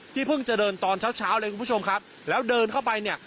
เพิ่งจะเดินตอนเช้าเช้าเลยคุณผู้ชมครับแล้วเดินเข้าไปเนี่ย